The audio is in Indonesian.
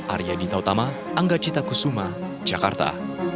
arya dita utama angga cita kusuma jakarta